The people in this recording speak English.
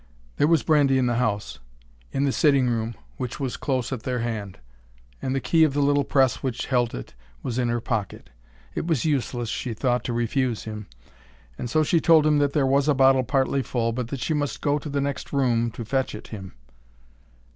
There was brandy in the house,—in the sitting room which was close at their hand, and the key of the little press which held it was in her pocket. It was useless, she thought, to refuse him; and so she told him that there was a bottle partly full, but that she must go to the next room to fetch it him.